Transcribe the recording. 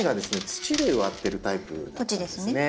土で植わってるタイプなんですね。